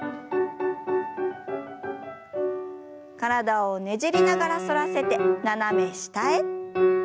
体をねじりながら反らせて斜め下へ。